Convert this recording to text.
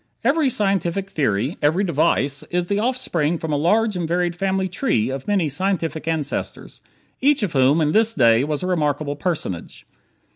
Every scientific theory, every device, is the offspring from a large and varied family tree of many scientific ancestors, each of whom in his day was a remarkable personage.